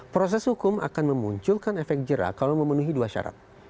proses hukum akan memunculkan efek jerah kalau memenuhi dua syarat